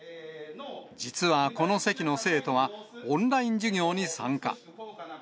実はこの席の生徒は、オンライン授業に参加。